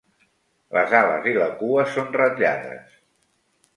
Les ales i la cua són ratllades.